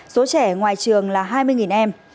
số trẻ ngoài trường là hai mươi em